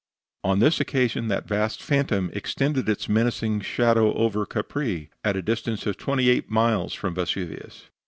On this occasion that vast phantom extended its menacing shadow over Capri, at a distance of twenty eight miles from Vesuvius.